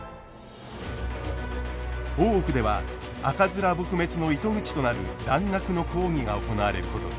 大奥では赤面撲滅の糸口となる蘭学の講義が行われることに。